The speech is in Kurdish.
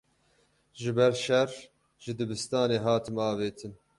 Ji ber şer ji dibistanê hatim avêtin.